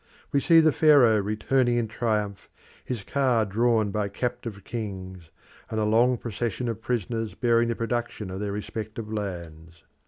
We see the Pharaoh returning in triumph, his car drawn by captive kings, and a long procession of prisoners bearing the productions of their respective lands.